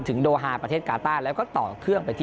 โดฮาประเทศกาต้าแล้วก็ต่อเครื่องไปที่